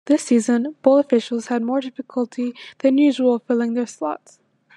This season, bowl officials had more difficulty than usual filling their slots.